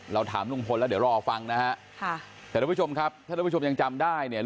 เราถามลุงพลแล้วเดี๋ยวรอออกฟังนะฮะค่ะสำหรับผู้ชมครับสำหรับผู้ชมยังจำได้เนี่ย